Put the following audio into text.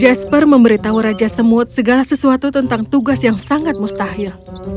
jasper memberitahu raja semut segala sesuatu tentang tugas yang sangat mustahil